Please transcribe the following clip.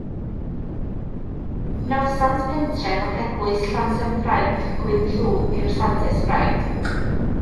Nawddsant pentref ac eglwys Llansanffraid Gwynllŵg yw'r Santes Ffraid.